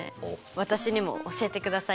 私にも教えてくださいよ。